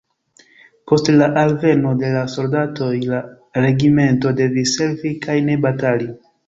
Post la alveno de la soldatoj, la regimento devis servi kaj ne batali.